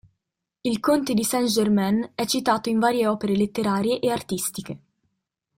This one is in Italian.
Il conte di Saint-Germain è citato in varie opere letterarie e artistiche.